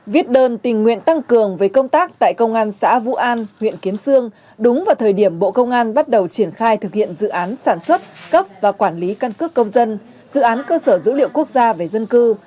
viết đơn tình nguyện tăng cường về công tác tại công an xã vũ an huyện kiến sương đúng vào thời điểm bộ công an bắt đầu triển khai thực hiện dự án sản xuất cấp và quản lý căn cước công dân dự án cơ sở dữ liệu quốc gia về dân cư